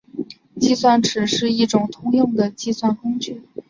计算尺是一种通用的计算工具。